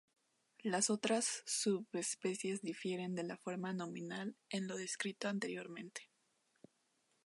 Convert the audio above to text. Las otras subespecies difieren de la forma nominal en lo descrito anteriormente.